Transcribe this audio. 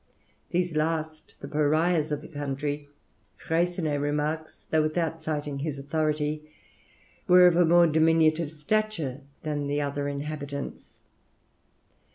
These last, the Pariahs of the country, Freycinet remarks, though without citing his authority, were of a more diminutive stature than the other inhabitants.